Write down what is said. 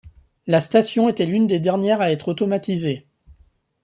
La station était l'une des dernières à être automatisée.